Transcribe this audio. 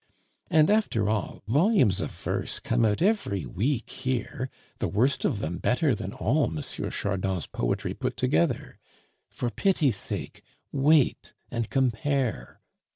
And, after all, volumes of verse come out every week here, the worst of them better than all M. Chardon's poetry put together. For pity's sake, wait and compare!